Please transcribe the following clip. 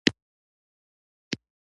دا د نباتاتو د پاتې شونو څخه جوړ شوي دي.